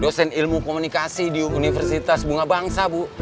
dosen ilmu komunikasi di universitas bunga bangsa bu